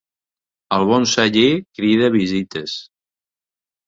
El bon celler crida visites.